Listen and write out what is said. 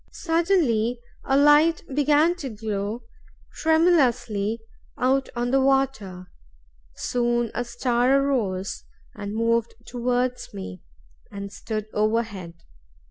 Suddenly a light began to glow tremulously out on the water; soon a star arose, and moved towards me, and stood overhead.